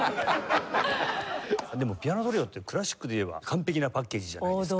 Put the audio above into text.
でもピアノトリオってクラシックでいえば完璧なパッケージじゃないですか。